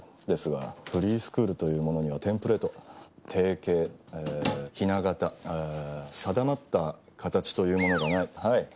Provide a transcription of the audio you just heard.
ですがフリースクールというものにはテンプレート定型えーひな型えー定まった形というものがない。